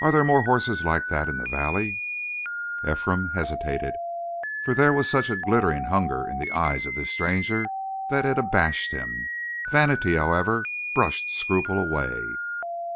"Are there more horses like that in the valley?" Ephraim hesitated, for there was such a glittering hunger in the eyes of this stranger that it abashed him. Vanity, however, brushed scruple away.